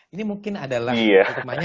ini mungkin adalah maksudnya